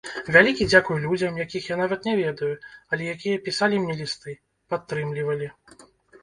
Вялікі дзякуй людзям, якіх я нават не ведаю, але якія пісалі мне лісты, падтрымлівалі.